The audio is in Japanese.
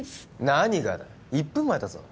何がだ１分前だぞ！？